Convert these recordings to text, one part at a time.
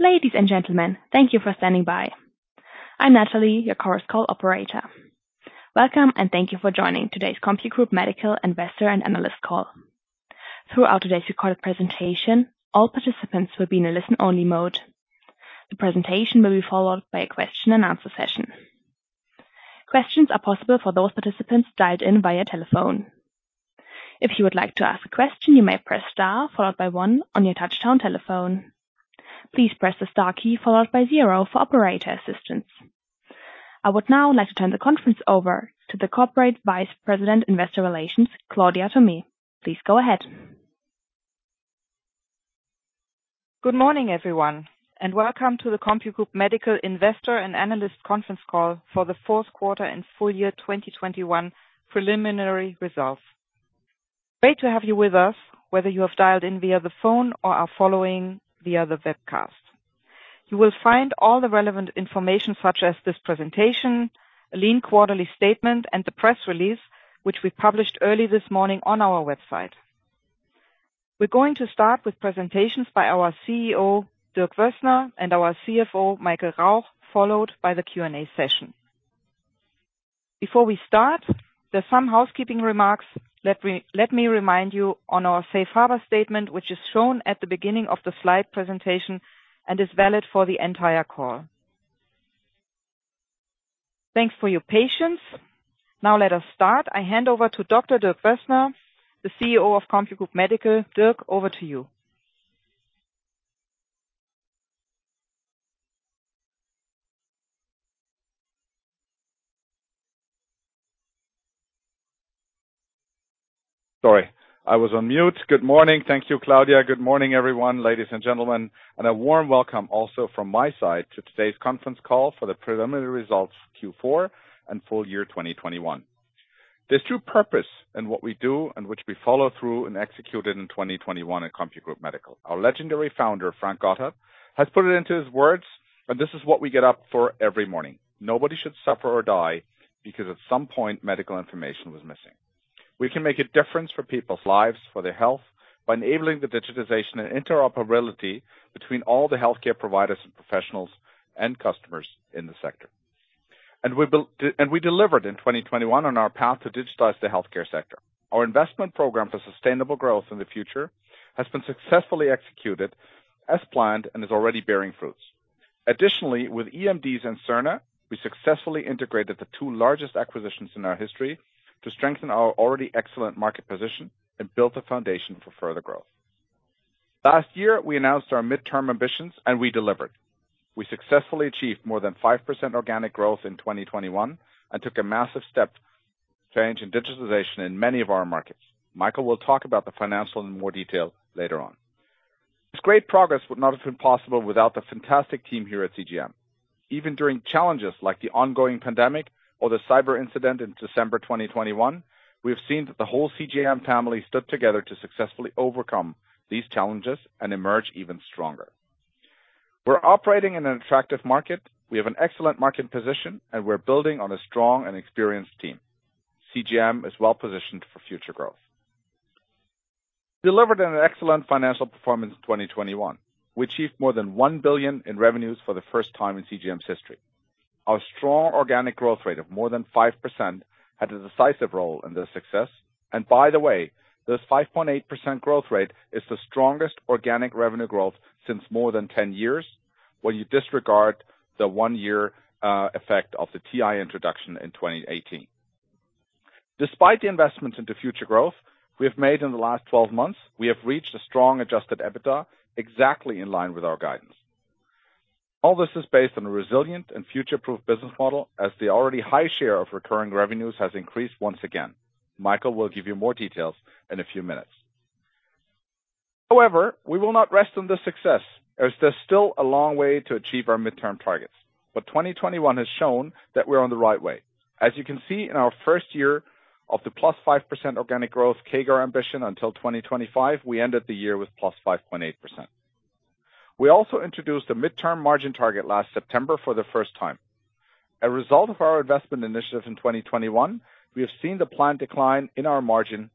Ladies and gentlemen, thank you for standing by. I'm Natalie, your Chorus Call operator. Welcome, and thank you for joining today's CompuGroup Medical Investor and Analyst call. Throughout today's recorded presentation, all participants will be in a listen-only mode. The presentation will be followed by a question-and-answer session. Questions are possible for those participants dialed in via telephone. If you would like to ask a question, you may press Star followed by 1 on your touchtone telephone. Please press the Star key followed by 0 for operator assistance. I would now like to turn the conference over to the Corporate Vice President, Investor Relations, Claudia Thomé. Please go ahead. Good morning, everyone, and welcome to the CompuGroup Medical Investor and Analyst conference call for the 4th quarter and full year 2021 preliminary results. Great to have you with us, whether you have dialed in via the phone or are following via the webcast. You will find all the relevant information, such as this presentation, lean quarterly statement and the press release, which we published early this morning on our website. We're going to start with presentations by our CEO, Dirk Wössner, and our CFO, Michael Rauch, followed by the Q&A session. Before we start, there are some housekeeping remarks. Let me remind you on our safe harbor statement, which is shown at the beginning of the slide presentation and is valid for the entire call. Thanks for your patience. Now let us start. I hand over to Dr. Dirk Wössner, the CEO of CompuGroup Medical. Dirk, over to you. Sorry, I was on mute. Good morning. Thank you, Claudia. Good morning, everyone, ladies and gentlemen, and a warm welcome also from my side to today's conference call for the preliminary results Q4 and full year 2021. There's true purpose in what we do and which we follow through and executed in 2021 at CompuGroup Medical. Our legendary founder, Frank Gotthardt, has put it into his words, and this is what we get up for every morning: Nobody should suffer or die because at some point medical information was missing. We can make a difference for people's lives, for their health by enabling the digitization and interoperability between all the healthcare providers and professionals and customers in the sector. We delivered in 2021 on our path to digitize the healthcare sector. Our investment program for sustainable growth in the future has been successfully executed as planned and is already bearing fruits. Additionally, with eMDs and Cerner, we successfully integrated the 2 largest acquisitions in our history to strengthen our already excellent market position and built a foundation for further growth. Last year, we announced our midterm ambitions, and we delivered. We successfully achieved more than 5% organic growth in 2021 and took a massive step change in digitalization in many of our markets. Michael will talk about the financial in more detail later on. This great progress would not have been possible without the fantastic team here at CGM. Even during challenges like the ongoing pandemic or the cyber incident in December 2021, we have seen that the whole CGM family stood together to successfully overcome these challenges and emerge even stronger. We're operating in an attractive market. We have an excellent market position, and we're building on a strong and experienced team. CGM is well-positioned for future growth. We delivered an excellent financial performance in 2021. We achieved more than 1 billion in revenues for the first time in CGM's history. Our strong organic growth rate of more than 5% had a decisive role in this success. By the way, this 5.8% growth rate is the strongest organic revenue growth since more than 10 years, when you disregard the 1 year effect of the TI introduction in 2018. Despite the investments into future growth we have made in the last 12 months, we have reached a strong adjusted EBITDA exactly in line with our guidance. All this is based on a resilient and future-proof business model as the already high share of recurring revenues has increased once again. Michael will give you more details in a few minutes. However, we will not rest on this success as there's still a long way to achieve our midterm targets. 2021 has shown that we're on the right way. As you can see in our first year of the +5% organic growth CAGR ambition until 2025, we ended the year with +5.8%. We also introduced a midterm margin target last September for the first time. A result of our investment initiative in 2021, we have seen the planned decline in our margin.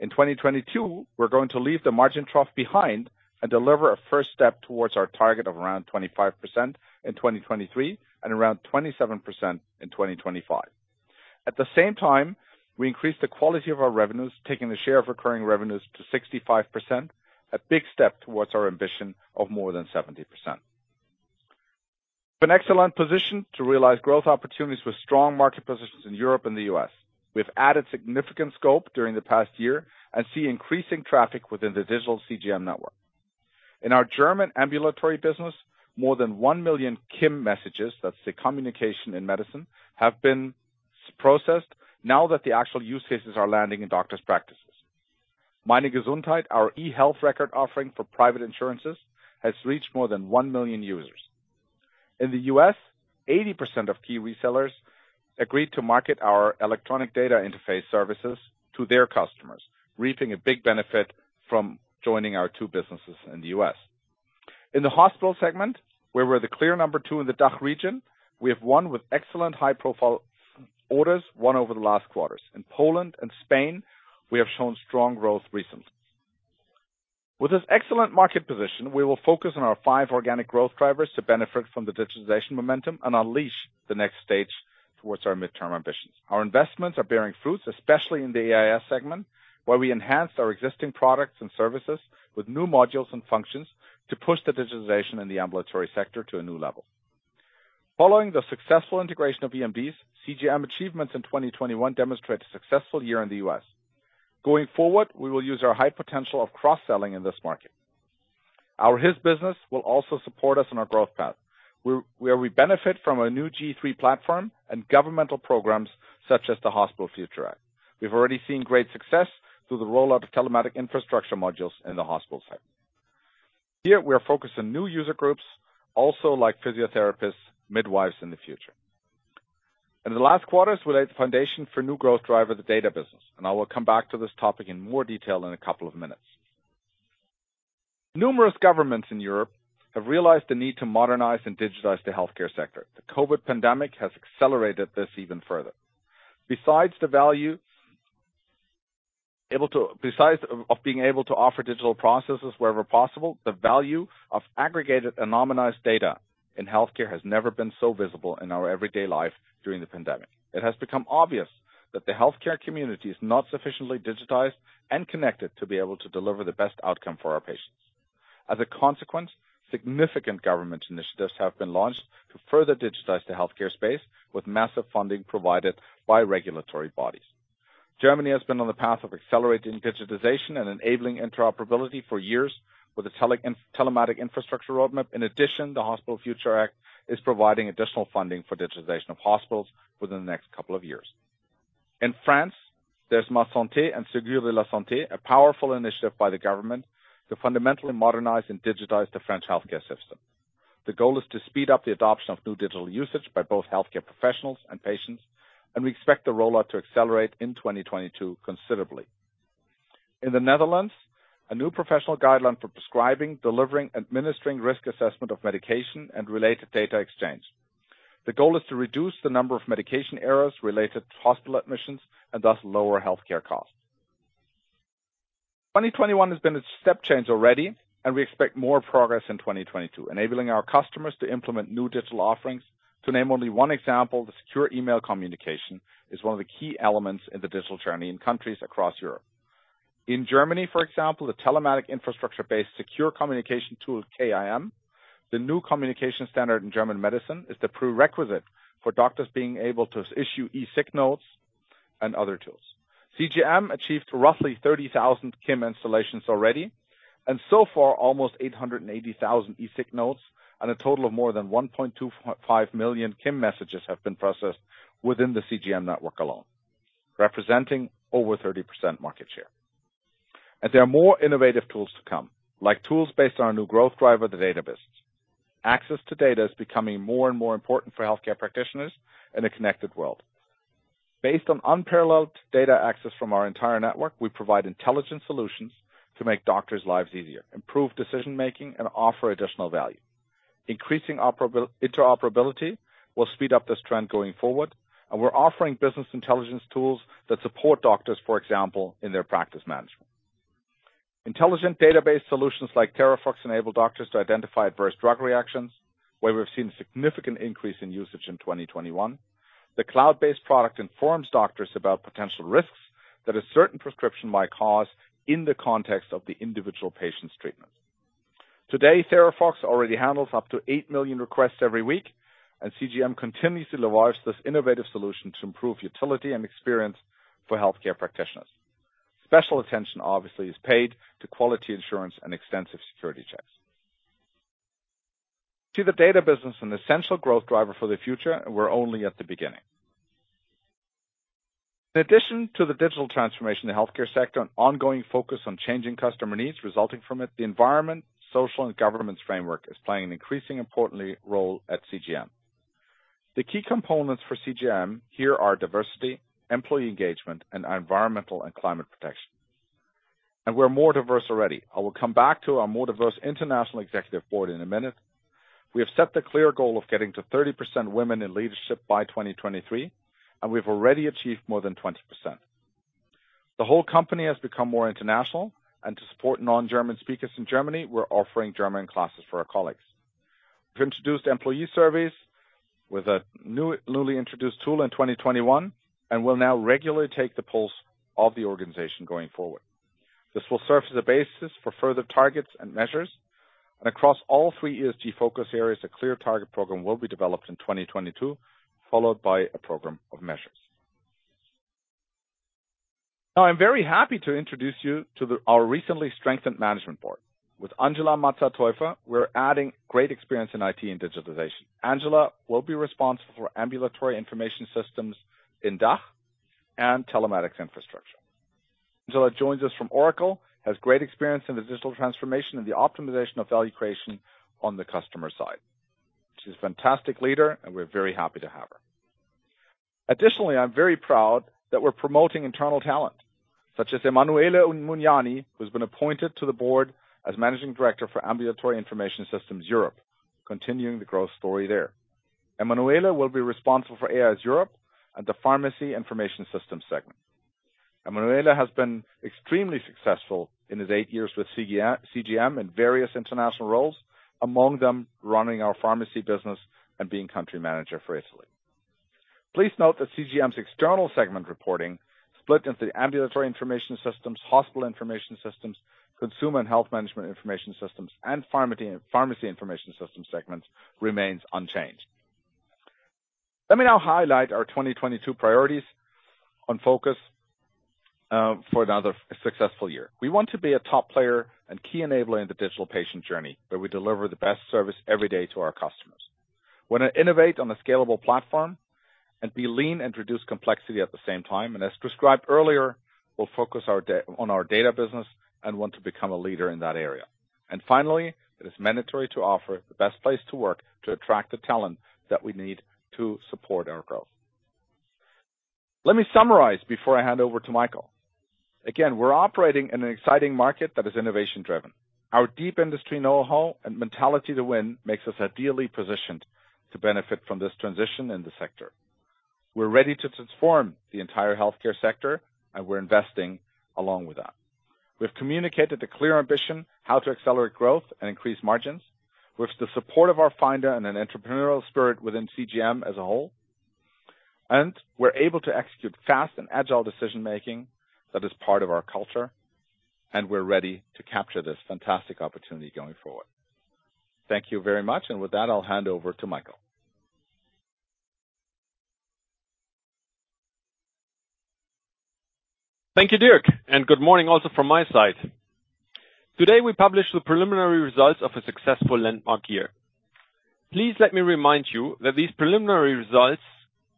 In 2022, we're going to leave the margin trough behind and deliver a first step towards our target of around 25% in 2023 and around 27% in 2025. At the same time, we increased the quality of our revenues, taking the share of recurring revenues to 65%, a big step towards our ambition of more than 70%. An excellent position to realize growth opportunities with strong market positions in Europe and the U.S. We've added significant scope during the past year and see increasing traffic within the digital CGM network. In our German ambulatory business, more than 1 million KIM messages, that's the Communication in Medicine, have been processed now that the actual use cases are landing in doctors' practices. Meine Gesundheit, our e-health record offering for private insurances, has reached more than 1 million users. In the U.S., 80% of key resellers agreed to market our electronic data interface services to their customers, reaping a big benefit from joining our 2 businesses in the U.S. In the hospital segment, where we're the clear number 2 in the DACH region, we have won with excellent high-profile orders won over the last quarters. In Poland and Spain, we have shown strong growth recently. With this excellent market position, we will focus on our 5 organic growth drivers to benefit from the digitization momentum and unleash the next stage towards our midterm ambitions. Our investments are bearing fruits, especially in the AIS segment, where we enhanced our existing products and services with new modules and functions to push the digitization in the ambulatory sector to a new level. Following the successful integration of eMDs, CGM achievements in 2021 demonstrate a successful year in the U.S. Going forward, we will use our high potential of cross-selling in this market. Our HIS business will also support us on our growth path, where we benefit from a new G3 platform and governmental programs such as the Hospital Future Act. We've already seen great success through the rollout of telematics infrastructure modules in the hospital sector. Here we are focused on new user groups also like physiotherapists, midwives in the future. In the last quarters, we laid the foundation for new growth driver, the data business, and I will come back to this topic in more detail in a couple of minutes. Numerous governments in Europe have realized the need to modernize and digitize the healthcare sector. The COVID pandemic has accelerated this even further. Besides being able to offer digital processes wherever possible, the value of aggregated anonymized data in healthcare has never been so visible in our everyday life during the pandemic. It has become obvious that the healthcare community is not sufficiently digitized and connected to be able to deliver the best outcome for our patients. Significant government initiatives have been launched to further digitize the healthcare space with massive funding provided by regulatory bodies. Germany has been on the path of accelerating digitization and enabling interoperability for years with the telematics infrastructure roadmap. The Hospital Future Act is providing additional funding for digitization of hospitals within the next couple of years. In France, there's Ma Santé 2022 and Ségur du Numérique en Santé, a powerful initiative by the government to fundamentally modernize and digitize the French healthcare system. The goal is to speed up the adoption of new digital usage by both healthcare professionals and patients, and we expect the rollout to accelerate in 2022 considerably. In the Netherlands, a new professional guideline for prescribing, delivering, administering, risk assessment of medication and related data exchange. The goal is to reduce the number of medication errors related to hospital admissions and thus lower healthcare costs. 2021 has been a step change already, and we expect more progress in 2022, enabling our customers to implement new digital offerings. To name only one example, the secure email communication is one of the key elements in the digital journey in countries across Europe. In Germany, for example, the telematics infrastructure-based secure communication tool, KIM, the new communication standard in German medicine, is the prerequisite for doctors being able to issue e-sick notes and other tools. CGM achieved roughly 30,000 KIM installations already, and so far almost 880,000 e-sick notes and a total of more than 1.25 million KIM messages have been processed within the CGM network alone, representing over 30% market share. There are more innovative tools to come, like tools based on our new growth driver, the data business. Access to data is becoming more and more important for healthcare practitioners in a connected world. Based on unparalleled data access from our entire network, we provide intelligent solutions to make doctors' lives easier, improve decision-making and offer additional value. Increasing interoperability will speed up this trend going forward, and we're offering business intelligence tools that support doctors, for example, in their practice management. Intelligent database solutions like THERAFOX enable doctors to identify adverse drug reactions, where we've seen a significant increase in usage in 2021. The cloud-based product informs doctors about potential risks that a certain prescription might cause in the context of the individual patient's treatment. Today, THERAFOX already handles up to 8 million requests every week, and CGM continues to leverage this innovative solution to improve utility and experience for healthcare practitioners. Special attention obviously is paid to quality assurance and extensive security checks. We see the data business as an essential growth driver for the future, and we're only at the beginning. In addition to the digital transformation in the healthcare sector, an ongoing focus on changing customer needs resulting from it, the environmental, social and governance framework is playing an increasingly important role at CGM. The key components for CGM here are diversity, employee engagement, and environmental and climate protection. We're more diverse already. I will come back to our more diverse international executive board in a minute. We have set the clear goal of getting to 30% women in leadership by 2023, and we've already achieved more than 20%. The whole company has become more international, and to support non-German speakers in Germany, we're offering German classes for our colleagues. We've introduced employee surveys with a newly introduced tool in 2021 and will now regularly take the pulse of the organization going forward. This will serve as a basis for further targets and measures. Across all 3 ESG focus areas, a clear target program will be developed in 2022, followed by a program of measures. Now I'm very happy to introduce you to our recently strengthened management board. With Angela Mazza-Teufer, we're adding great experience in IT and digitization. Angela Mazza-Teufer will be responsible for Ambulatory Information Systems in DACH and telematics infrastructure. Angela Mazza-Teufer joins us from Oracle, has great experience in the digital transformation and the optimization of value creation on the customer side. She's a fantastic leader, and we're very happy to have her. Additionally, I'm very proud that we're promoting internal talent, such as Emanuele Mugnani, who's been appointed to the board as managing director for Ambulatory Information Systems Europe, continuing the growth story there. Emanuele Mugnani will be responsible for AIS Europe and the pharmacy information system segment. Emanuele Mugnani has been extremely successful in his 8 years with CGM in various international roles, among them running our pharmacy business and being country manager for Italy. Please note that CGM's external segment reporting split into Ambulatory Information Systems, Hospital Information Systems, Consumer and Health Management Information Systems, and Pharmacy Information Systems segments remains unchanged. Let me now highlight our 2022 priorities on focus for another successful year. We want to be a top player and key enabler in the digital patient journey, where we deliver the best service every day to our customers. We wanna innovate on a scalable platform and be lean and reduce complexity at the same time. As described earlier, we'll focus on our data business and want to become a leader in that area. Finally, it is mandatory to offer the best place to work to attract the talent that we need to support our growth. Let me summarize before I hand over to Michael. Again, we're operating in an exciting market that is innovation-driven. Our deep industry know-how and mentality to win makes us ideally positioned to benefit from this transition in the sector. We're ready to transform the entire healthcare sector, and we're investing along with that. We've communicated the clear ambition, how to accelerate growth and increase margins with the support of our founder and an entrepreneurial spirit within CGM as a whole. We're able to execute fast and agile decision-making that is part of our culture, and we're ready to capture this fantastic opportunity going forward. Thank you very much, and with that, I'll hand over to Michael. Thank you, Dirk, and good morning also from my side. Today, we publish the preliminary results of a successful landmark year. Please let me remind you that these preliminary results,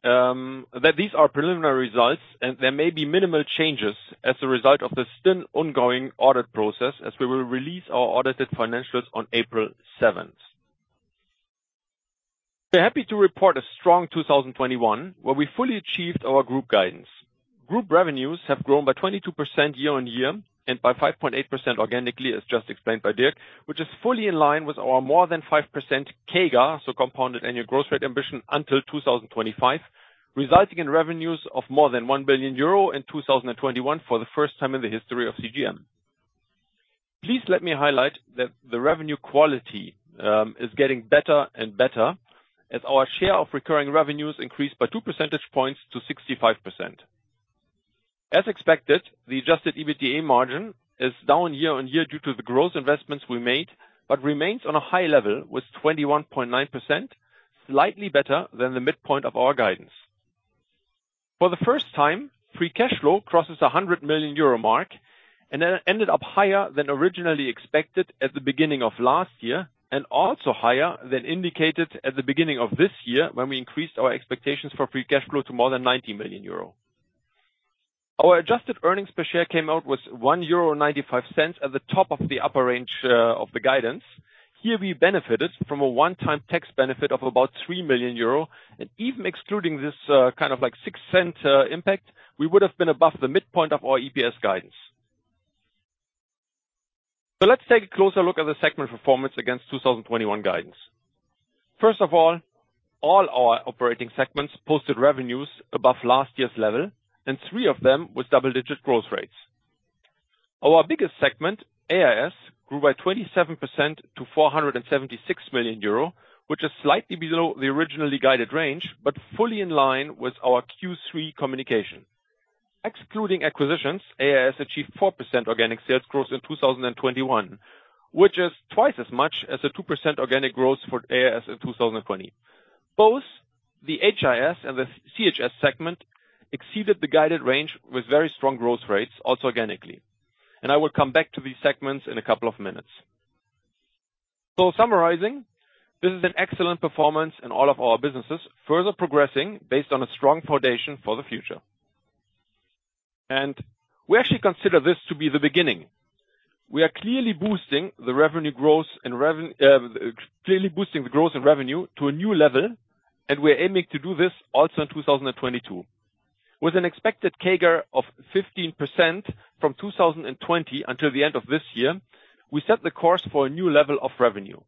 that these are preliminary results, and there may be minimal changes as a result of the still ongoing audit process, as we will release our audited financials on April 7th. We're happy to report a strong 2021, where we fully achieved our group guidance. Group revenues have grown by 22% year-on-year and by 5.8% organically, as just explained by Dirk, which is fully in line with our more than 5% CAGR, so compounded annual growth rate ambition until 2025, resulting in revenues of more than 1 billion euro in 2021 for the first time in the history of CGM. Please let me highlight that the revenue quality is getting better and better as our share of recurring revenues increased by 2 percentage points to 65%. As expected, the adjusted EBITDA margin is down year on year due to the growth investments we made, but remains on a high level with 21.9%, slightly better than the midpoint of our guidance. For the first time, free cash flow crosses the 100 million euro mark and ended up higher than originally expected at the beginning of last year, and also higher than indicated at the beginning of this year when we increased our expectations for free cash flow to more than 90 million euro. Our adjusted earnings per share came out with 1.95 euro at the top of the upper range of the guidance. Here we benefited from a one-time tax benefit of about 3 million euro. Even excluding this, kind of like 6 cent impact, we would have been above the midpoint of our EPS guidance. Let's take a closer look at the segment performance against 2021 guidance. First of all our operating segments posted revenues above last year's level and 3 of them with double-digit growth rates. Our biggest segment, AIS, grew by 27% to 476 million euro, which is slightly below the originally guided range, but fully in line with our Q3 communication. Excluding acquisitions, AIS achieved 4% organic sales growth in 2021, which is twice as much as a 2% organic growth for AIS in 2020. Both the HIS and the CHS segment exceeded the guided range with very strong growth rates also organically. I will come back to these segments in a couple of minutes. Summarizing, this is an excellent performance in all of our businesses, further progressing based on a strong foundation for the future. We actually consider this to be the beginning. We are clearly boosting the growth in revenue to a new level, and we are aiming to do this also in 2022. With an expected CAGR of 15% from 2020 until the end of this year, we set the course for a new level of revenue.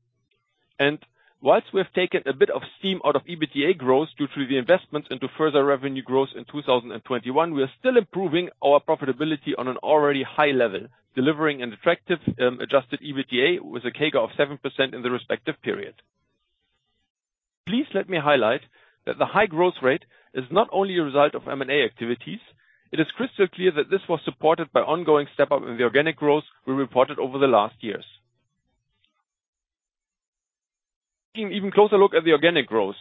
While we have taken a bit of steam out of EBITDA growth due to the investment into further revenue growth in 2021, we are still improving our profitability on an already high level, delivering an attractive adjusted EBITDA with a CAGR of 7% in the respective period. Please let me highlight that the high growth rate is not only a result of M&A activities. It is crystal clear that this was supported by ongoing step-up in the organic growth we reported over the last years. Taking an even closer look at the organic growth.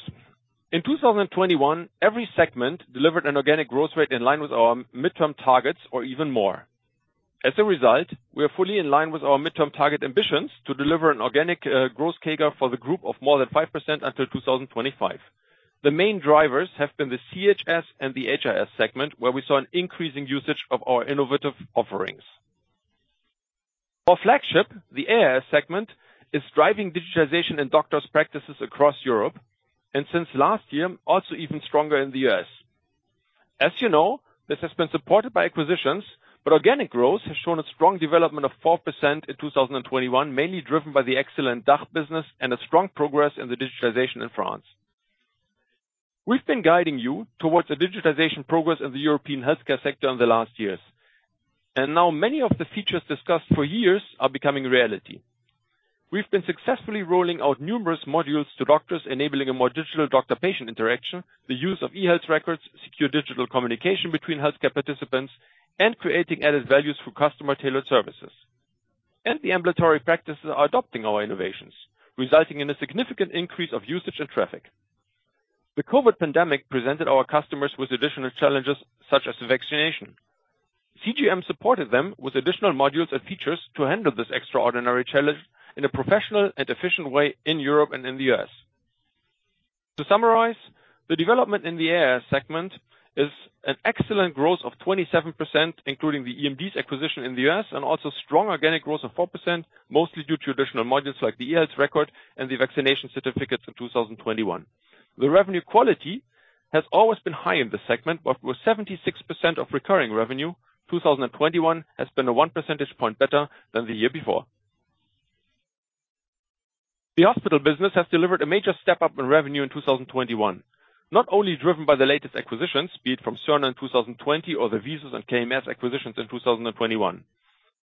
In 2021, every segment delivered an organic growth rate in line with our midterm targets or even more. As a result, we are fully in line with our midterm target ambitions to deliver an organic growth CAGR for the group of more than 5% until 2025. The main drivers have been the CHS and the HIS segment, where we saw an increasing usage of our innovative offerings. Our flagship, the AIS segment, is driving digitization in doctors' practices across Europe, and since last year, also even stronger in the U.S. As you know, this has been supported by acquisitions, but organic growth has shown a strong development of 4% in 2021, mainly driven by the excellent DACH business and a strong progress in the digitization in France. We've been guiding you towards a digitization progress in the European healthcare sector in the last years, and now many of the features discussed for years are becoming reality. We've been successfully rolling out numerous modules to doctors, enabling a more digital doctor-patient interaction, the use of e-health records, secure digital communication between healthcare participants, and creating added values for customer-tailored services. The ambulatory practices are adopting our innovations, resulting in a significant increase of usage and traffic. The COVID pandemic presented our customers with additional challenges, such as vaccination. CGM supported them with additional modules and features to handle this extraordinary challenge in a professional and efficient way in Europe and in the U.S. To summarize, the development in the AIS segment is an excellent growth of 27%, including the eMDs acquisition in the U.S. and also strong organic growth of 4%, mostly due to additional modules like the e-health record and the vaccination certificates in 2021. The revenue quality has always been high in this segment, but with 76% of recurring revenue, 2021 has been one percentage point better than the year before. The hospital business has delivered a major step-up in revenue in 2021, not only driven by the latest acquisitions, be it from Cerner in 2020 or the VISUS and KMS acquisitions in 2021.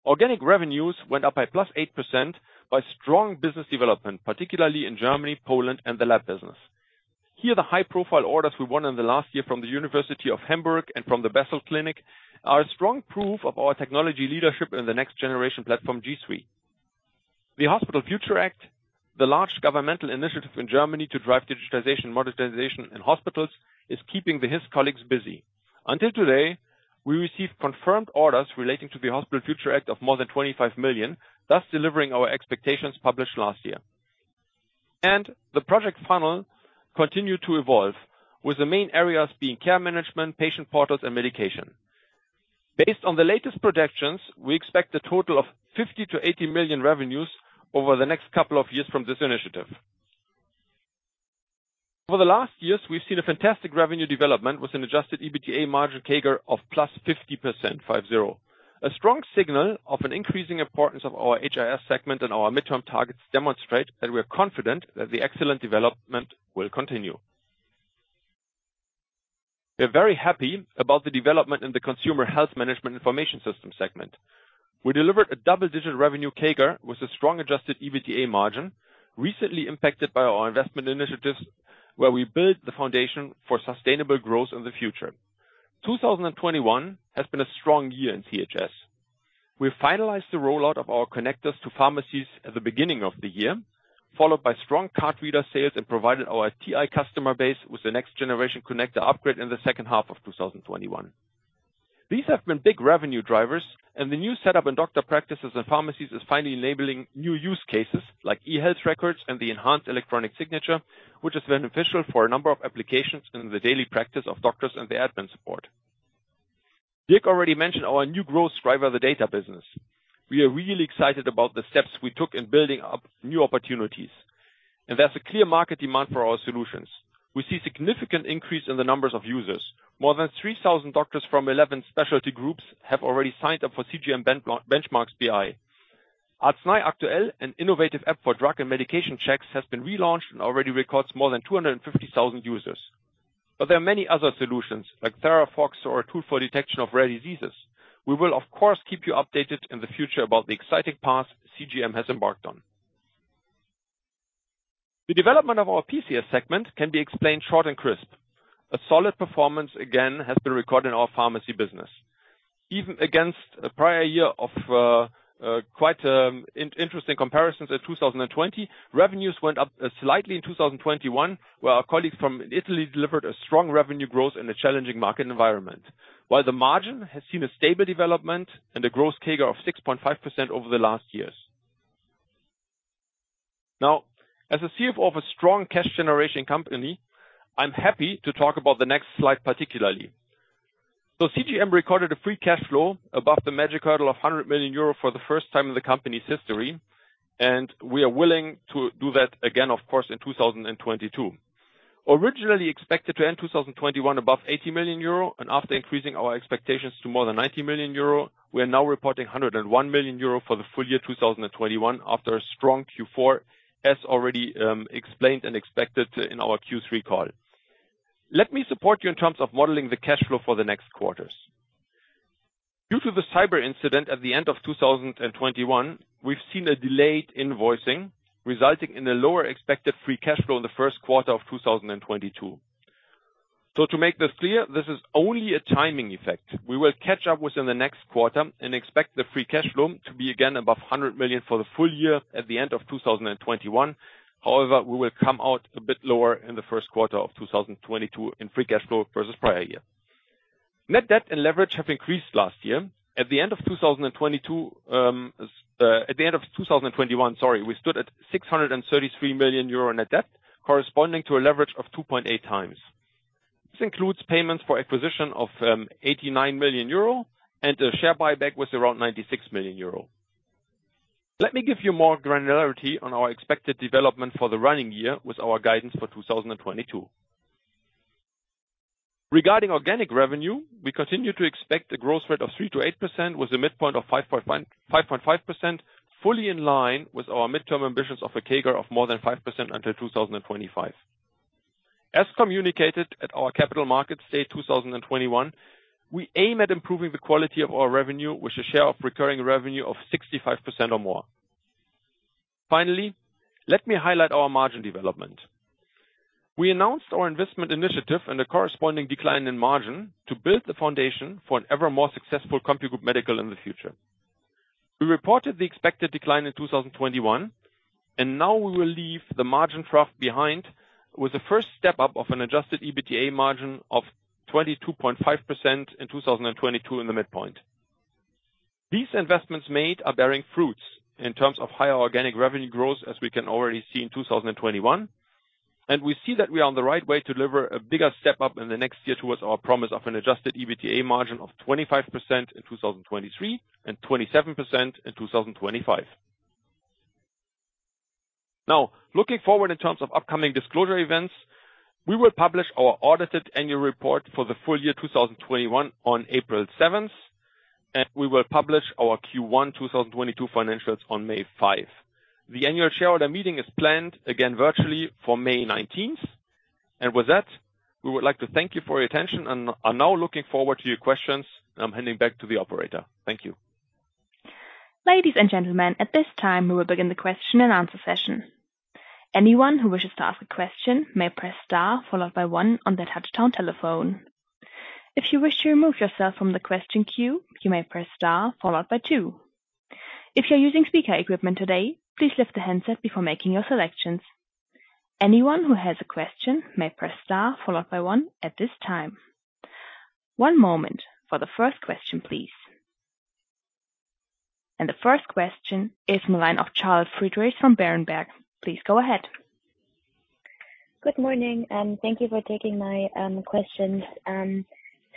Organic revenues went up by +8% by strong business development, particularly in Germany, Poland, and the lab business. Here, the high-profile orders we won in the last year from Universitätsklinikum Hamburg-Eppendorf and from Bethel are a strong proof of our technology leadership in the next generation platform, G3. The Hospital Future Act, the large governmental initiative in Germany to drive digitization, modernization in hospitals, is keeping the HIS colleagues busy. Until today, we received confirmed orders relating to the Hospital Future Act of more than 25 million, thus delivering our expectations published last year. The project funnel continued to evolve, with the main areas being care management, patient portals, and medication. Based on the latest projections, we expect a total of 50 million-80 million revenues over the next couple of years from this initiative. Over the last years, we've seen a fantastic revenue development with an adjusted EBITDA margin CAGR of +50%. A strong signal of an increasing importance of our HIS segment and our midterm targets demonstrate that we are confident that the excellent development will continue. We're very happy about the development in the consumer health management information system segment. We delivered a double-digit revenue CAGR with a strong adjusted EBITDA margin, recently impacted by our investment initiatives, where we built the foundation for sustainable growth in the future. 2021 has been a strong year in CHS. We finalized the rollout of our connectors to pharmacies at the beginning of the year, followed by strong card reader sales and provided our TI customer base with the next generation connector upgrade in the second half of 2021. These have been big revenue drivers, and the new setup in doctor practices and pharmacies is finally enabling new use cases like e-health records and the enhanced electronic signature, which is beneficial for a number of applications in the daily practice of doctors and the admin support. Dirk already mentioned our new growth driver, the data business. We are really excited about the steps we took in building up new opportunities, and there's a clear market demand for our solutions. We see significant increase in the numbers of users. More than 3,000 doctors from 11 specialty groups have already signed up for CGM Benchmarks BI. Arznei aktuell, an innovative app for drug and medication checks, has been relaunched and already records more than 250,000 users. There are many other solutions like THERAFOX or a tool for detection of rare diseases. We will, of course, keep you updated in the future about the exciting paths CGM has embarked on. The development of our PCS segment can be explained short and crisp. A solid performance, again, has been recorded in our pharmacy business. Even against a prior year of quite interesting comparisons at 2020, revenues went up slightly in 2021, where our colleagues from Italy delivered a strong revenue growth in a challenging market environment, while the margin has seen a stable development and a gross CAGR of 6.5% over the last years. Now, as a CFO of a strong cash generation company, I'm happy to talk about the next slide, particularly. CGM recorded a free cash flow above the magic hurdle of 100 million euro for the first time in the company's history, and we are willing to do that again, of course, in 2022. Originally expected to end 2021 above 80 million euro and after increasing our expectations to more than 90 million euro, we are now reporting 101 million euro for the full year 2021 after a strong Q4, as already explained and expected in our Q3 call. Let me support you in terms of modeling the cash flow for the next quarters. Due to the cyber incident at the end of 2021, we've seen a delayed invoicing resulting in a lower expected free cash flow in the 1st quarter of 2022. To make this clear, this is only a timing effect. We will catch up within the next quarter and expect the free cash flow to be again above 100 million for the full year at the end of 2021. However, we will come out a bit lower in the 1st quarter of 2022 in free cash flow versus prior year. Net debt and leverage have increased last year. At the end of 2021, we stood at 633 million euro net debt, corresponding to a leverage of 2.8 times. This includes payments for acquisition of 89 million euro and a share buyback was around 96 million euro. Let me give you more granularity on our expected development for the running year with our guidance for 2022. Regarding organic revenue, we continue to expect a growth rate of 3%-8% with a midpoint of 5.5%, fully in line with our midterm ambitions of a CAGR of more than 5% until 2025. As communicated at our capital markets day 2021, we aim at improving the quality of our revenue with a share of recurring revenue of 65% or more. Finally, let me highlight our margin development. We announced our investment initiative and the corresponding decline in margin to build the foundation for an ever more successful CompuGroup Medical in the future. We reported the expected decline in 2021, and now we will leave the margin trough behind with the first step-up of an adjusted EBITDA margin of 22.5% in 2022 in the midpoint. These investments made are bearing fruits in terms of higher organic revenue growth, as we can already see in 2021. We see that we are on the right way to deliver a bigger step-up in the next year towards our promise of an adjusted EBITDA margin of 25% in 2023 and 27% in 2025. Now, looking forward in terms of upcoming disclosure events, we will publish our audited annual report for the full year 2021 on April 7, and we will publish our Q1 2022 financials on May 5. The annual shareholder meeting is planned again virtually for May 19. With that, we would like to thank you for your attention and are now looking forward to your questions. I'm handing back to the operator. Thank you. Ladies and gentlemen, at this time, we will begin the question and answer session. Anyone who wishes to ask a question may press star followed by 1 on their touchtone telephone. If you wish to remove yourself from the question queue, you may press star followed by 2. If you're using speaker equipment today, please lift the handset before making your selections. Anyone who has a question may press star followed by 1 at this time. One moment for the first question, please. The first question is from the line of Charlotte Friedrichs from Berenberg. Please go ahead. Good morning, and thank you for taking my questions.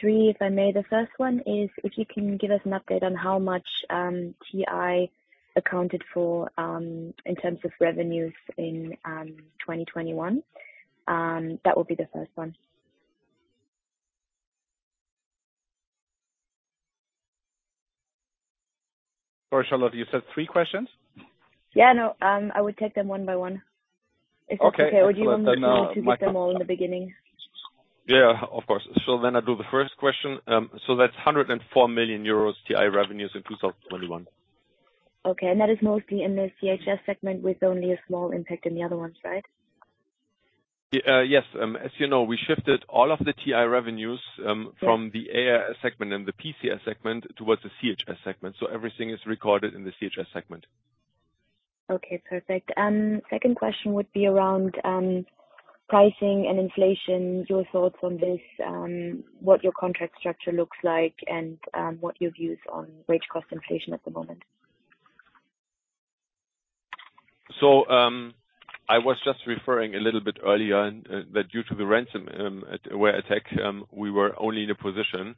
3, if I may. The first one is if you can give us an update on how much TI accounted for in terms of revenues in 2021. That will be the first one. Sorry, Charlotte, you said 3 questions? Yeah. No. I would take them one by one, if that's okay. Okay. Would you want me to take them all in the beginning? Yeah, of course. I do the first question. That's 104 million euros TI revenues in 2021. Okay. That is mostly in the CHS segment with only a small impact in the other ones, right? Yes. As you know, we shifted all of the TI revenues from the AIS segment and the PCS segment towards the CHS segment. Everything is recorded in the CHS segment. Okay, perfect. Second question would be around pricing and inflation, your thoughts on this, what your contract structure looks like, and what your views on wage cost inflation at the moment. I was just referring a little bit earlier and that due to the ransomware attack, we were only in a position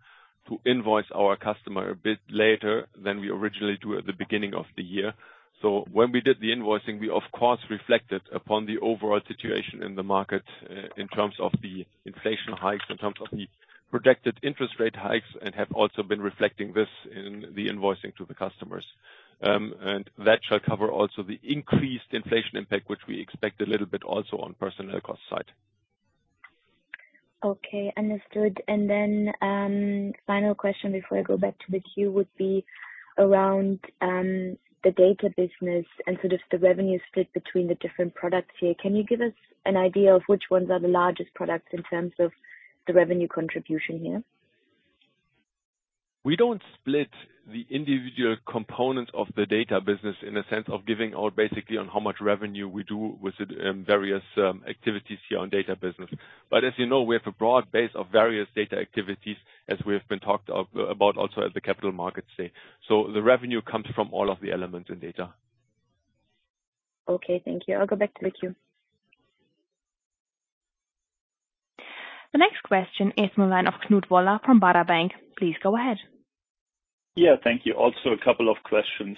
to invoice our customer a bit later than we originally do at the beginning of the year. When we did the invoicing, we of course reflected upon the overall situation in the market in terms of the inflation hikes, in terms of the projected interest rate hikes, and have also been reflecting this in the invoicing to the customers. That shall cover also the increased inflation impact, which we expect a little bit also on personnel cost side. Okay, understood. Final question before I go back to the queue would be around the data business and sort of the revenue split between the different products here. Can you give us an idea of which ones are the largest products in terms of the revenue contribution here? We don't split the individual components of the data business in a sense of giving out basically on how much revenue we do with the various activities here on data business. As you know, we have a broad base of various data activities as we have been talked about also at the Capital Markets Day. The revenue comes from all of the elements in data. Okay, thank you. I'll go back to the queue. The next question is the line of Knut Woller from Baader Bank. Please go ahead. Yeah, thank you. Also a couple of questions.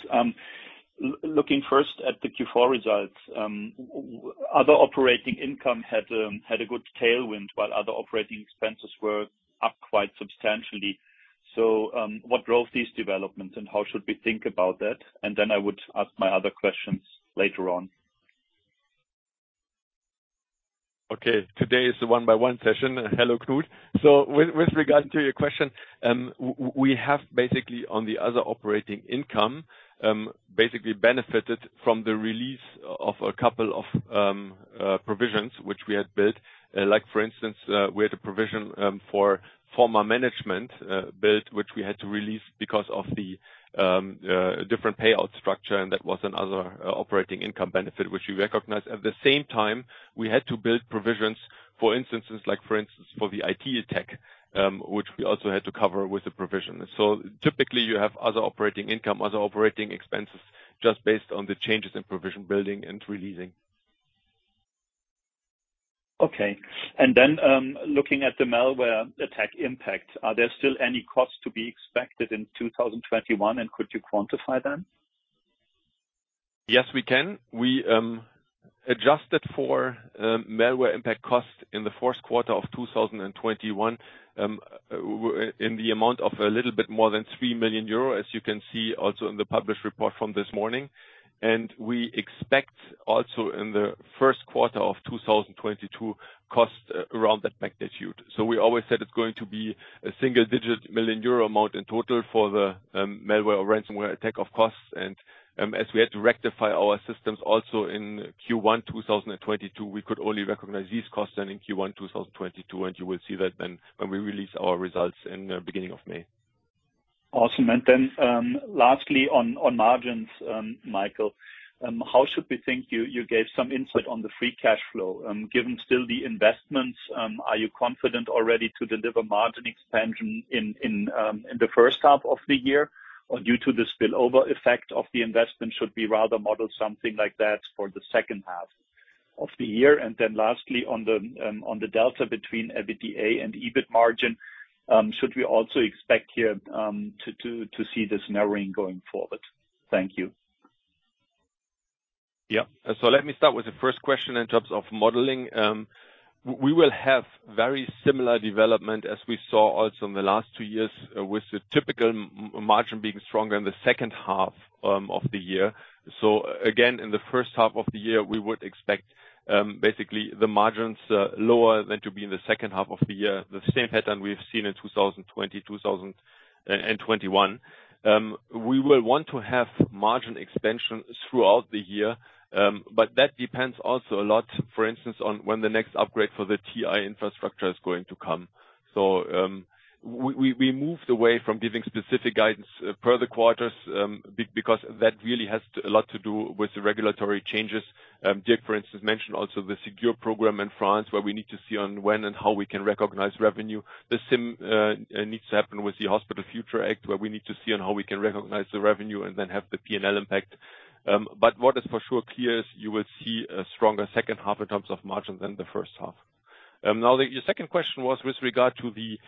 Looking first at the Q4 results, other operating income had a good tailwind while other operating expenses were up quite substantially. What drove these developments, and how should we think about that? I would ask my other questions later on. Okay. Today is a one-on-one session. Hello, Knut. With regards to your question, we have basically, on the other operating income, basically benefited from the release of a couple of provisions which we had built. Like for instance, we had a provision for former management built, which we had to release because of the different payout structure, and that was another operating income benefit which we recognized. At the same time, we had to build provisions for instances like, for instance, for the IT attack, which we also had to cover with the provision. Typically, you have other operating income, other operating expenses, just based on the changes in provision building and releasing. Okay. Looking at the malware attack impact, are there still any costs to be expected in 2021, and could you quantify them? Yes, we can. We adjusted for malware impact costs in the 1st quarter of 2021, in the amount of a little bit more than 3 million euro, as you can see also in the published report from this morning. We expect also in the 1st quarter of 2022, costs around that magnitude. We always said it's going to be a single-digit million EUR amount in total for the malware or ransomware attack of costs. As we had to rectify our systems also in Q1 2022, we could only recognize these costs then in Q1 2022, and you will see that when we release our results in the beginning of May. Awesome. Lastly on margins, Michael, how should we think. You gave some insight on the free cash flow. Given still the investments, are you confident already to deliver margin expansion in the first half of the year? Or due to the spillover effect of the investment, should we rather model something like that for the second half of the year? Lastly, on the delta between EBITDA and EBIT margin, should we also expect here to see this narrowing going forward? Thank you. Let me start with the first question in terms of modeling. We will have very similar development as we saw also in the last 2 years with the typical margin being stronger in the second half of the year. Again, in the first half of the year, we would expect basically the margins lower than to be in the second half of the year. The same pattern we've seen in 2020 and 2021. We will want to have margin expansion throughout the year, but that depends also a lot, for instance, on when the next upgrade for the TI infrastructure is going to come. We moved away from giving specific guidance per the quarters because that really has a lot to do with the regulatory changes. Dirk, for instance, mentioned also the Ségur program in France, where we need to see on when and how we can recognize revenue. The same needs to happen with the Hospital Future Act, where we need to see on how we can recognize the revenue and then have the P&L impact. What is for sure clear is you will see a stronger second half in terms of margin than the first half. Your second question was with regard to the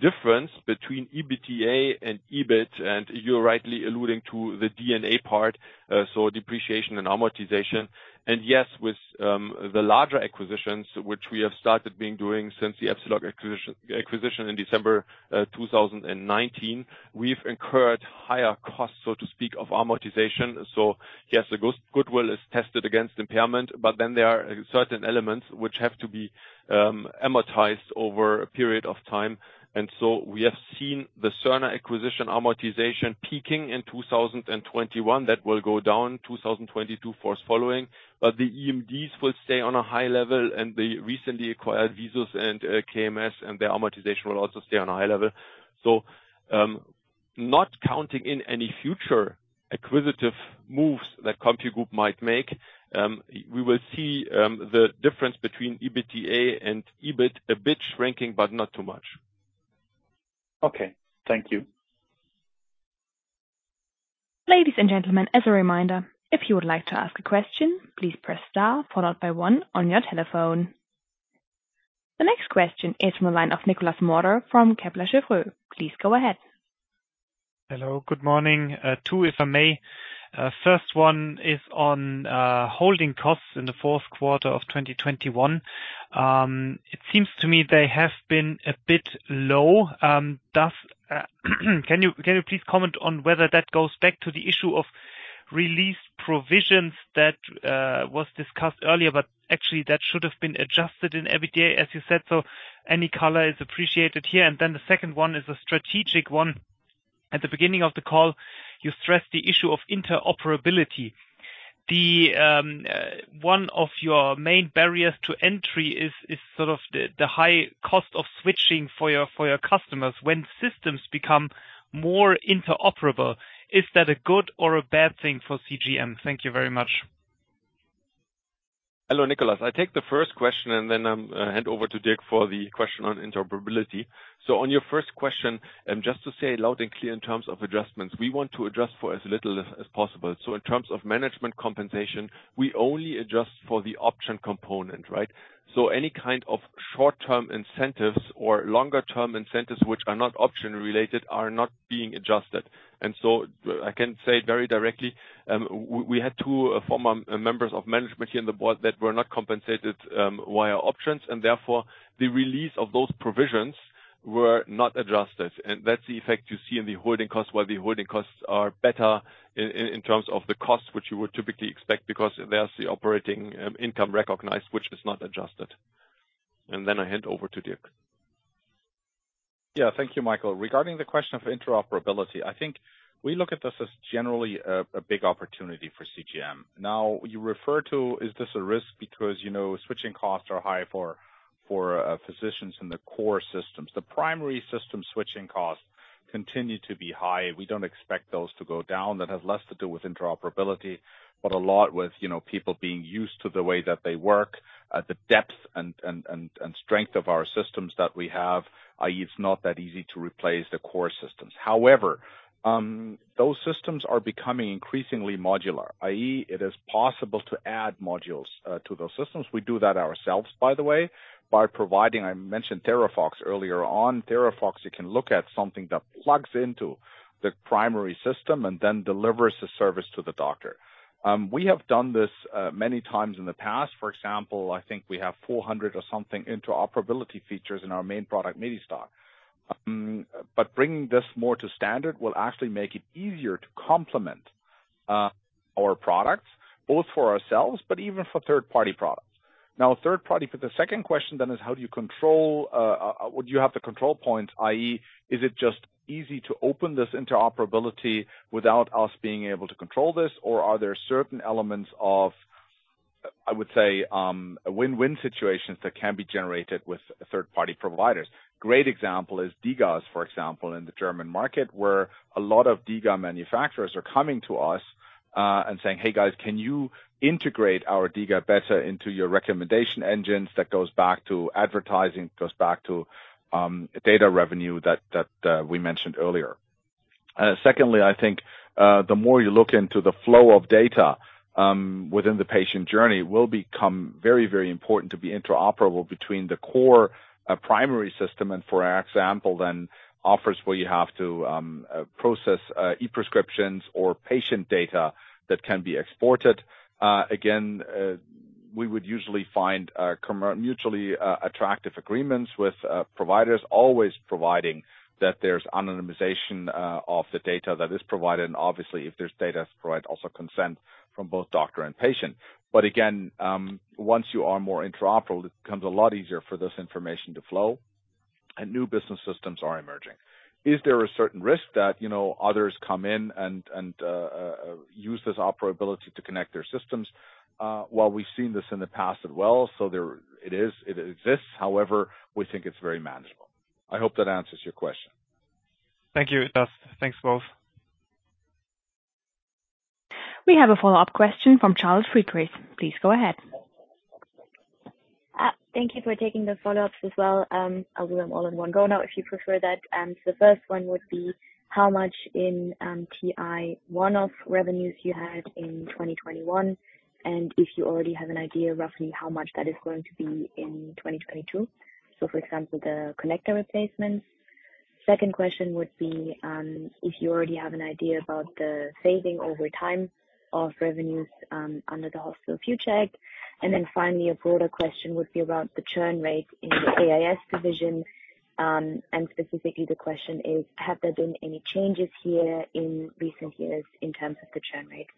difference between EBITDA and EBIT, and you're rightly alluding to the D&A part, so depreciation and amortization. Yes, with the larger acquisitions, which we have started being doing since the Epsilog acquisition in December 2019, we've incurred higher costs, so to speak, of amortization. Yes, the goodwill is tested against impairment, but then there are certain elements which have to be amortized over a period of time. We have seen the Cerner acquisition amortization peaking in 2021. That will go down in 2022 and following. The eMDs will stay on a high level, and the recently acquired VISUS and KMS, and their amortization will also stay on a high level. Not counting in any future acquisitive moves that CompuGroup might make, we will see the difference between EBITDA and EBIT a bit shrinking, but not too much. Okay. Thank you. Ladies and gentlemen, as a reminder, if you would like to ask a question, please press star followed by 1 on your telephone. The next question is from the line of Nikolas Mauder from Kepler Cheuvreux. Please go ahead. Hello, good morning. 2, if I may. First one is on holding costs in the 4th quarter of 2021. It seems to me they have been a bit low. Can you please comment on whether that goes back to the issue of release provisions that was discussed earlier, but actually that should have been adjusted in EBITDA, as you said? Any color is appreciated here. The second one is a strategic one. At the beginning of the call, you stressed the issue of interoperability. One of your main barriers to entry is sort of the high cost of switching for your customers when systems become more interoperable. Is that a good or a bad thing for CGM? Thank you very much. Hello, Nikolas. I take the first question, and then hand over to Dirk for the question on interoperability. On your first question, and just to say loud and clear in terms of adjustments, we want to adjust for as little as possible. In terms of management compensation, we only adjust for the option component, right? Any kind of short-term incentives or longer-term incentives which are not option related are not being adjusted. I can say very directly, we had 2 former members of management here in the Board that were not compensated via options, and therefore, the release of those provisions were not adjusted. That's the effect you see in the holding costs, why the holding costs are better in terms of the costs which you would typically expect, because there's the operating income recognized, which is not adjusted. Then I hand over to Dirk. Yeah. Thank you, Michael. Regarding the question of interoperability, I think we look at this as generally a big opportunity for CGM. Now, you refer to, is this a risk because, you know, switching costs are high for physicians in the core systems. The primary system switching costs continue to be high. We don't expect those to go down. That has less to do with interoperability, but a lot with, you know, people being used to the way that they work, the depth and strength of our systems that we have, i.e., it's not that easy to replace the core systems. However, those systems are becoming increasingly modular, i.e., it is possible to add modules to those systems. We do that ourselves, by the way, by providing. I mentioned THERAFOX earlier on. THERAFOX, you can look at something that plugs into the primary system and then delivers the service to the doctor. We have done this many times in the past. For example, I think we have 400 or something interoperability features in our main product, MEDISTAR. But bringing this more to standard will actually make it easier to complement our products, both for ourselves but even for third-party products. The second question then is how do you control would you have the control point, i.e., is it just easy to open this interoperability without us being able to control this? Or are there certain elements of, I would say, a win-win situations that can be generated with third-party providers? Great example is DiGA, for example, in the German market, where a lot of DiGA manufacturers are coming to us and saying, "Hey, guys, can you integrate our DiGA better into your recommendation engines?" That goes back to advertising, goes back to data revenue that we mentioned earlier. Secondly, I think the more you look into the flow of data within the patient journey, it will become very, very important to be interoperable between the core primary system and for example then offers where you have to process e-prescriptions or patient data that can be exported. Again, we would usually find mutually attractive agreements with providers, always providing that there's anonymization of the data that is provided, and obviously if there's data is provided, also consent from both doctor and patient. Again, once you are more interoperable, it becomes a lot easier for this information to flow and new business systems are emerging. Is there a certain risk that, you know, others come in and use this interoperability to connect their systems? While we've seen this in the past as well, so there it is. It exists. However, we think it's very manageable. I hope that answers your question. Thank you, Dirk. Thanks, both. We have a follow-up question from Charlotte Friedrichs. Please go ahead. Thank you for taking the follow-ups as well. I'll do them all in one go now, if you prefer that. The first one would be how much in TI one-off revenues you had in 2021, and if you already have an idea roughly how much that is going to be in 2022. For example, the connector replacements. Second question would be, if you already have an idea about the savings over time of revenues, under the Hospital Future Act. Then finally, a broader question would be about the churn rate in the AIS division. Specifically the question is, have there been any changes here in recent years in terms of the churn rate?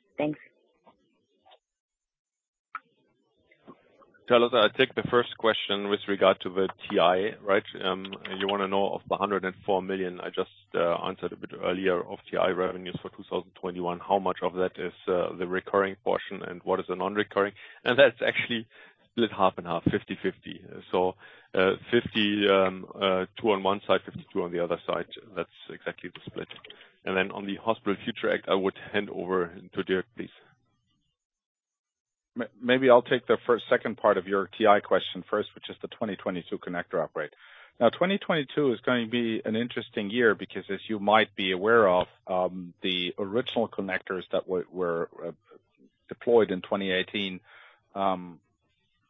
Thanks. Charlotte, I'll take the first question with regard to the TI, right? You wanna know of the 104 million, I just answered a bit earlier of TI revenues for 2021, how much of that is the recurring portion and what is the non-recurring? That's actually split half and half, 50/50. So, 52 on one side, 52 on the other side. That's exactly the split. Then on the Hospital Future Act, I would hand over to Dirk, please. Maybe I'll take the second part of your TI question first, which is the 2022 connector upgrade. Now, 2022 is going to be an interesting year because as you might be aware of, the original connectors that were deployed in 2018, and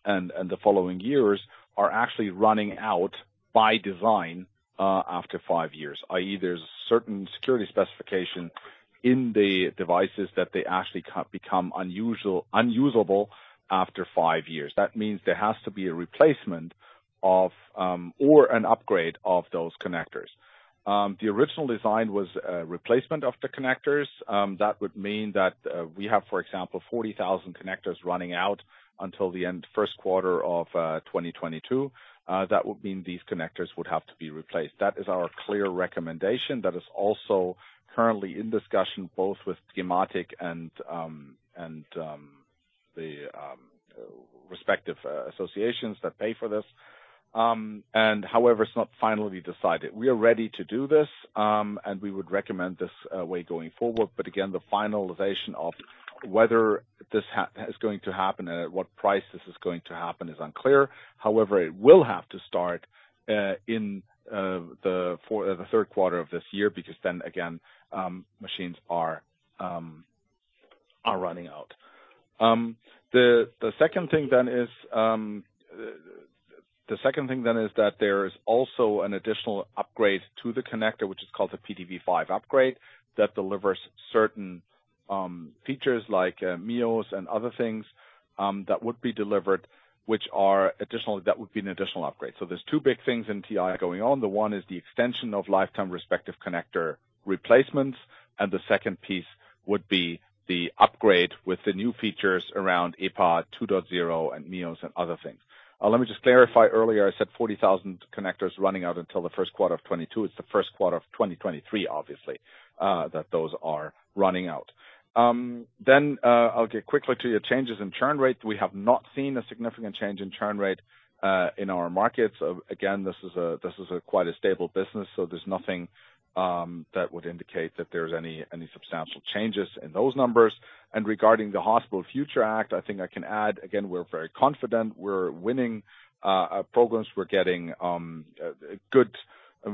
the following years are actually running out by design, after 5 years. i.e., there's certain security specification in the devices that they actually become unusable after 5 years. That means there has to be a replacement of, or an upgrade of those connectors. The original design was a replacement of the connectors. That would mean that we have, for example, 40,000 connectors running out until the end of the 1st quarter of 2022. That would mean these connectors would have to be replaced. That is our clear recommendation. That is also currently in discussion both with gematik and the respective associations that pay for this. However, it's not finally decided. We are ready to do this, and we would recommend this way going forward. Again, the finalization of whether this is going to happen, what price this is going to happen is unclear. However, it will have to start in the third quarter of this year because then again, machines are running out. The second thing then is that there is also an additional upgrade to the connector, which is called the PTV5 upgrade, that delivers certain features like MIOS and other things that would be delivered, which are additional. That would be an additional upgrade. There's 2 big things in TI going on. The one is the extension of lifetime respective connector replacements, and the second piece would be the upgrade with the new features around ePA 2.0 and KIM and other things. Let me just clarify. Earlier, I said 40,000 connectors running out until the 1st quarter of 2022. It's the 1st quarter of 2023, obviously, that those are running out. I'll get quickly to your changes in churn rate. We have not seen a significant change in churn rate in our markets. Again, this is a quite stable business, so there's nothing that would indicate that there's any substantial changes in those numbers. Regarding the Hospital Future Act, I think I can add, again, we're very confident. We're winning programs. We're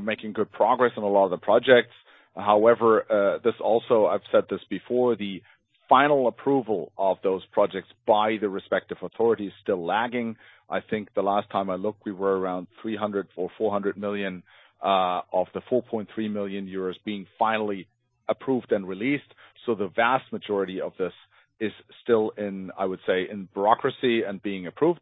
making good progress on a lot of the projects. However, this also, I've said this before, the final approval of those projects by the respective authority is still lagging. I think the last time I looked, we were around 300 million or 400 million of the 4.3 billion euros being finally approved and released. So the vast majority of this is still in, I would say, in bureaucracy and being approved.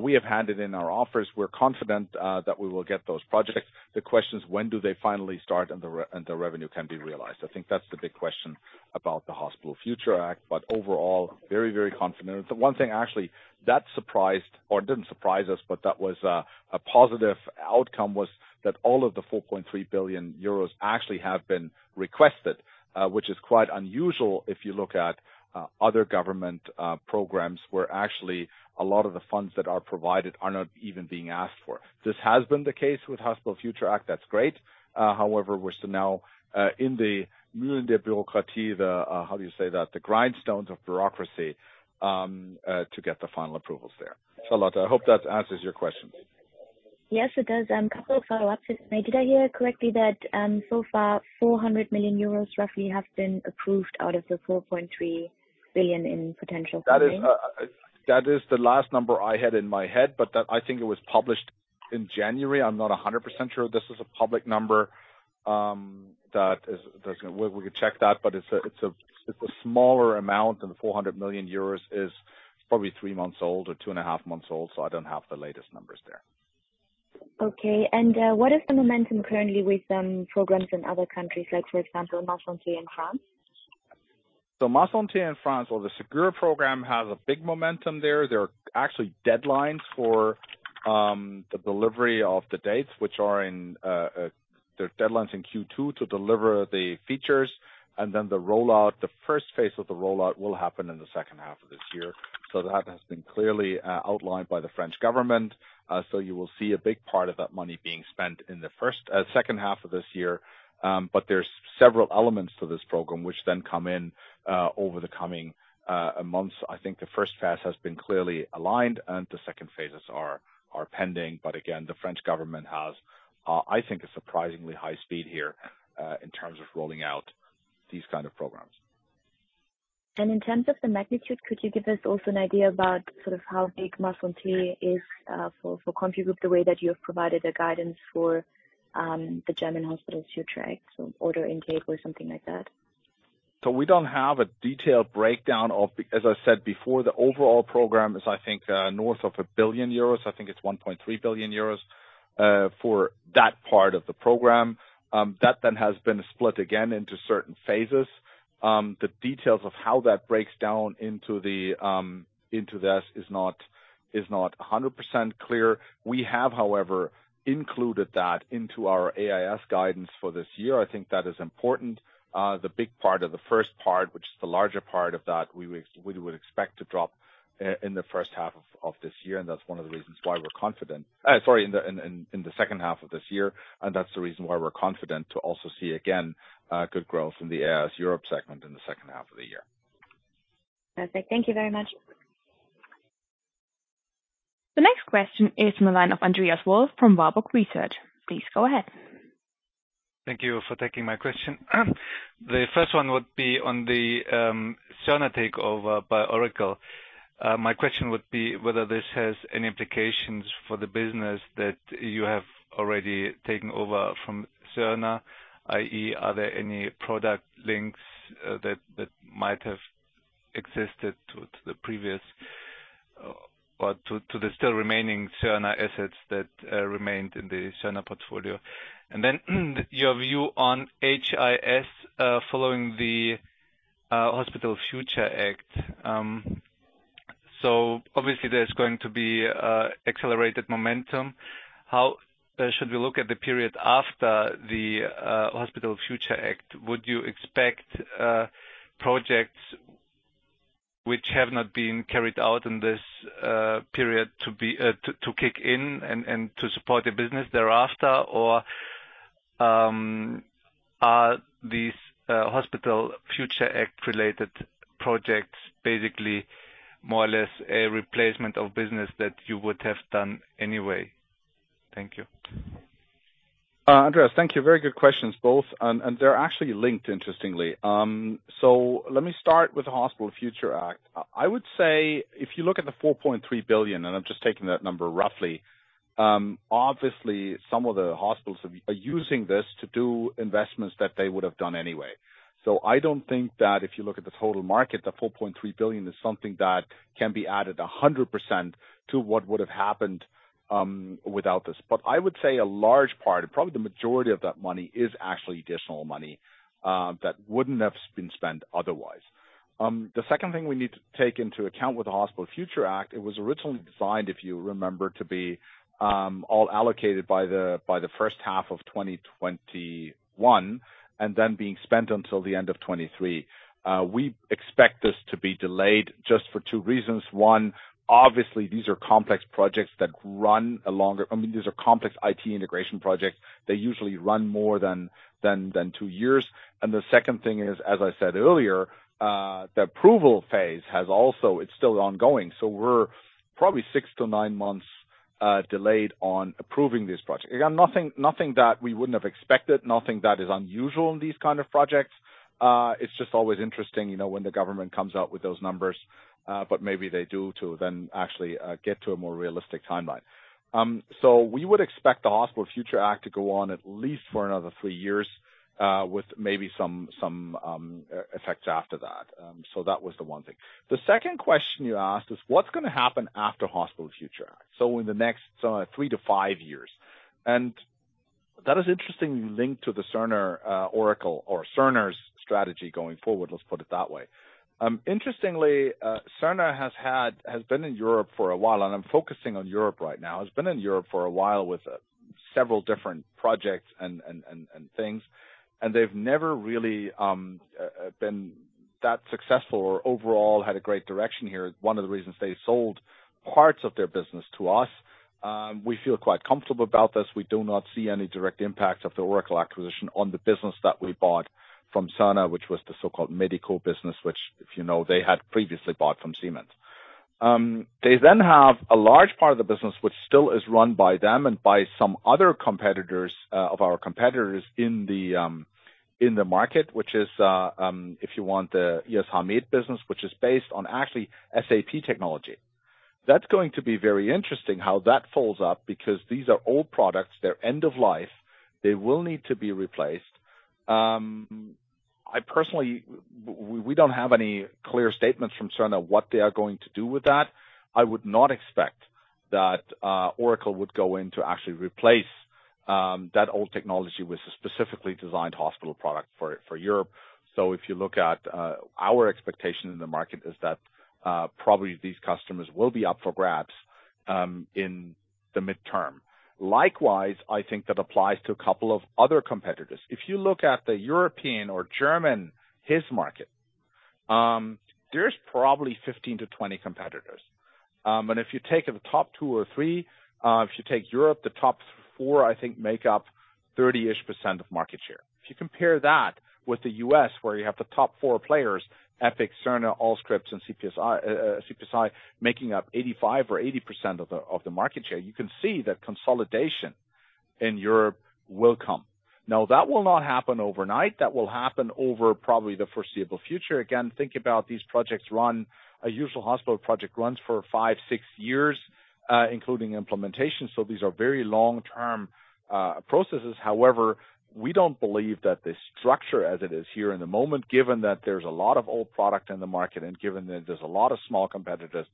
We have handed in our offers. We're confident that we will get those projects. The question is when do they finally start and the revenue can be realized? I think that's the big question about the Hospital Future Act, but overall very, very confident. The one thing actually that surprised or didn't surprise us, but that was a positive outcome, was that all of the 4.3 billion euros actually have been requested, which is quite unusual if you look at other government programs, where actually a lot of the funds that are provided are not even being asked for. This has been the case with Hospital Future Act, that's great. However, we're still now in the, how do you say that? The grindstones of bureaucracy, to get the final approvals there. Lotta, I hope that answers your question. Yes, it does. Couple of follow-ups if I may. Did I hear correctly that, so far 400 million euros roughly have been approved out of the 4.3 billion in potential funding? That is the last number I had in my head, but that I think it was published in January. I'm not 100% sure this is a public number, we could check that, but it's a smaller amount and the 400 million euros is probably 3 months old or 2.5 months old, so I don't have the latest numbers there. Okay. What is the momentum currently with programs in other countries like, for example, Ma Santé in France? Ma Santé in France or the Ségur program has a big momentum there. There are actually deadlines for the delivery of the data which are in Q2 to deliver the features. The first phase of the rollout will happen in the second half of this year. That has been clearly outlined by the French government, so you will see a big part of that money being spent in the second half of this year. There are several elements to this program which then come in over the coming months. I think the first phase has been clearly aligned and the second phases are pending. The French government has, I think, a surprisingly high speed here in terms of rolling out these kind of programs. In terms of the magnitude, could you give us also an idea about sort of how big Ma Santé is for CompuGroup, the way that you have provided a guidance for the German Hospital Future Act, so order intake or something like that? We don't have a detailed breakdown. As I said before, the overall program is, I think, north of 1 billion euros. I think it's 1.3 billion euros for that part of the program. That then has been split again into certain phases. The details of how that breaks down into this is not 100% clear. We have, however, included that into our AIS guidance for this year. I think that is important. The big part of the first part, which is the larger part of that, we would expect to drop in the first half of this year, and that's one of the reasons why we're confident. Sorry, in the second half of this year, and that's the reason why we're confident to also see again good growth in the AIS Europe segment in the second half of the year. Perfect. Thank you very much. The next question is from the line of Andreas Wolf from Warburg Research. Please go ahead. Thank you for taking my question. The first one would be on the Cerner takeover by Oracle. My question would be whether this has any implications for the business that you have already taken over from Cerner, i.e., are there any product links that might have existed to the previous or to the still remaining Cerner assets that remained in the Cerner portfolio? Then your view on HIS following the Hospital Future Act. So obviously there's going to be accelerated momentum. How should we look at the period after the Hospital Future Act? Would you expect projects which have not been carried out in this period to kick in and to support the business thereafter? Are these Hospital Future Act related projects basically more or less a replacement of business that you would have done anyway? Thank you. Andreas, thank you. Very good questions both, and they're actually linked interestingly. Let me start with the Hospital Future Act. I would say if you look at the 4.3 billion, and I'm just taking that number roughly, obviously some of the hospitals are using this to do investments that they would have done anyway. I don't think that if you look at the total market, the 4.3 billion is something that can be added 100% to what would have happened, without this. I would say a large part, probably the majority of that money is actually additional money, that wouldn't have been spent otherwise. The second thing we need to take into account with the Hospital Future Act, it was originally designed, if you remember, to be all allocated by the first half of 2021 and then being spent until the end of 2023. We expect this to be delayed just for 2 reasons. One, obviously these are complex projects. I mean, these are complex IT integration projects. They usually run more than 2 years. The second thing is, as I said earlier, the approval phase has also, it's still ongoing, so we're probably 6-9 months delayed on approving this project. Again, nothing that we wouldn't have expected, nothing that is unusual in these kind of projects. It's just always interesting, you know, when the government comes out with those numbers, but maybe they do to then actually get to a more realistic timeline. We would expect the Hospital Future Act to go on at least for another 3 years, with maybe some effect after that. That was the one thing. The second question you asked is what's gonna happen after Hospital Future. In the next sort of 3 to 5 years. That is interestingly linked to the Cerner, Oracle or Cerner's strategy going forward, let's put it that way. Interestingly, Cerner has been in Europe for a while, and I'm focusing on Europe right now. has been in Europe for a while with several different projects and things, and they've never really been that successful or overall had a great direction here. One of the reasons they sold parts of their business to us, we feel quite comfortable about this. We do not see any direct impact of the Oracle acquisition on the business that we bought from Cerner, which was the so-called medical business, which, if you know, they had previously bought from Siemens. They then have a large part of the business which still is run by them and by some other competitors of our competitors in the market, which is, if you want, the i.s.h.med business, which is based on actually SAP technology. That's going to be very interesting how that folds up because these are old products. They're end of life. They will need to be replaced. I personally, we don't have any clear statements from Cerner what they are going to do with that. I would not expect that Oracle would go in to actually replace that old technology with a specifically designed hospital product for Europe. If you look at our expectation in the market is that probably these customers will be up for grabs in the midterm. Likewise, I think that applies to a couple of other competitors. If you look at the European or German HIS market, there's probably 15-20 competitors. If you take the top 2 or 3, if you take Europe, the top 4 I think make up 30-ish% of market share. If you compare that with the U.S., where you have the top 4 players, Epic, Cerner, Allscripts, and CPSI, making up 85% or 80% of the market share, you can see that consolidation in Europe will come. That will not happen overnight. That will happen over probably the foreseeable future. Again, think about these projects run. A usual hospital project runs for 5, 6 years, including implementation, so these are very long-term processes. However, we don't believe that the structure as it is here in the moment, given that there's a lot of old product in the market and given that there's a lot of small competitors,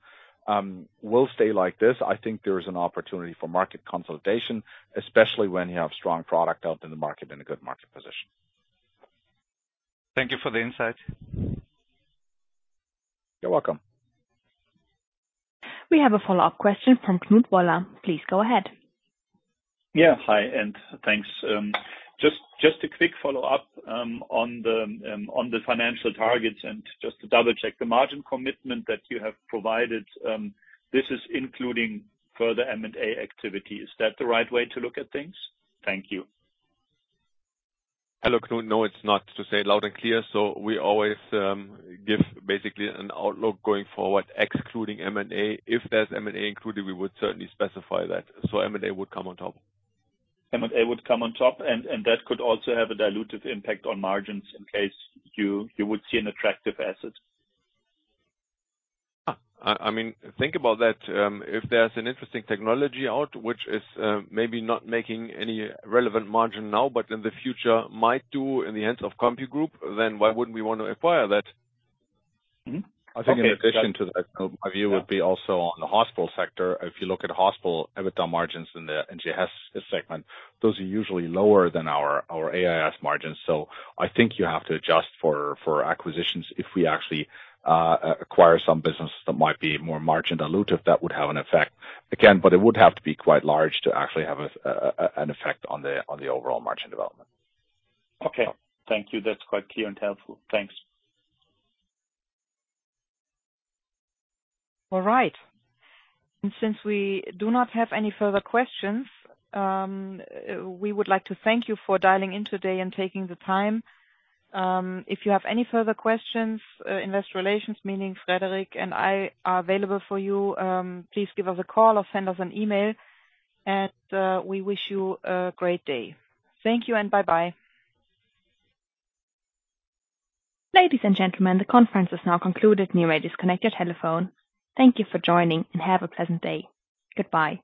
will stay like this. I think there's an opportunity for market consolidation, especially when you have strong product out in the market in a good market position. Thank you for the insight. You're welcome. We have a follow-up question from Knut Woller. Please go ahead. Yeah. Hi, and thanks. Just a quick follow-up on the financial targets and just to double-check the margin commitment that you have provided, this is including further M&A activity. Is that the right way to look at things? Thank you. Hello, Knut. No, it's not, to say it loud and clear. We always give basically an outlook going forward, excluding M&A. If there's M&A included, we would certainly specify that. M&A would come on top. M&A would come on top, and that could also have a dilutive impact on margins in case you would see an attractive asset. I mean, think about that. If there's an interesting technology out which is maybe not making any relevant margin now, but in the future might do in the hands of CompuGroup, then why wouldn't we want to acquire that? Okay. I think in addition to that, Knut, my view would be also on the hospital sector. If you look at hospital EBITDA margins in the HIS segment, those are usually lower than our AIS margins. I think you have to adjust for acquisitions if we actually acquire some business that might be more margin dilutive. That would have an effect. Again, but it would have to be quite large to actually have an effect on the overall margin development. Okay. Thank you. That's quite clear and helpful. Thanks. All right. Since we do not have any further questions, we would like to thank you for dialing in today and taking the time. If you have any further questions, Investor Relations, meaning Frederic and I are available for you, please give us a call or send us an email. We wish you a great day. Thank you, and bye-bye.